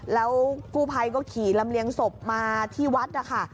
แล้วกู้ภัยก็ขี่ลำเลียงศพมาที่วัดนะคะ